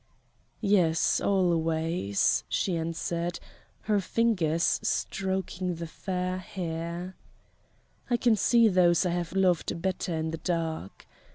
"Yes, always," she answered, her fingers stroking the fair hair. "I can see those I have loved better in the dark.